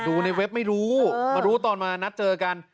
ดูในเว็บไม่รู้มารู้ตอนมานัดเจอกัน